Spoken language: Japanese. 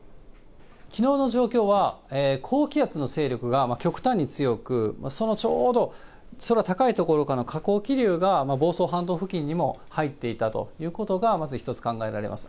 きのうの状況は高気圧の勢力が極端に強く、そのちょうど空高い所からの下降気流が、房総半島付近にも入っていたということがまず一つ考えられます。